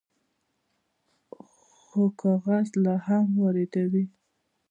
خو کاغذ لا هم واردوي.